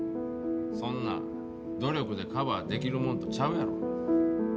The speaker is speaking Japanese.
そんなん努力でカバーできるもんとちゃうやろ。